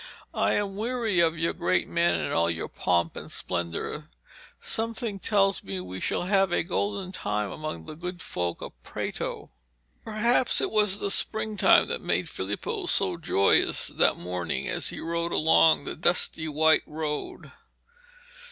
'I am weary of your great men and all your pomp and splendour. Something tells me we shall have a golden time among the good folk of Prato.' Perhaps it was the springtime that made Filippo so joyous that morning as he rode along the dusty white road.